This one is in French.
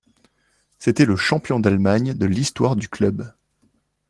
C'était le de champion d'Allemagne de l'Histoire du club.